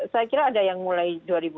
saya kira ada yang mulai